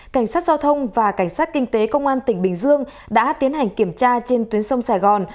cảnh sát giao thông và cảnh sát kinh tế công an tỉnh bình dương đã tiến hành kiểm tra trên tuyến sông sài gòn